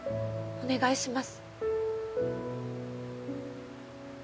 お願いします